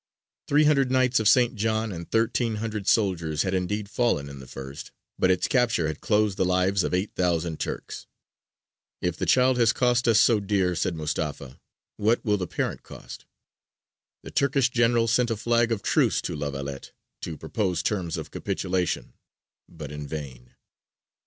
Three hundred Knights of St. John and thirteen hundred soldiers had indeed fallen in the first, but its capture had closed the lives of eight thousand Turks. "If the child has cost us so dear," said Mustafa, "what will the parent cost?" The Turkish general sent a flag of truce to La Valette, to propose terms of capitulation, but in vain.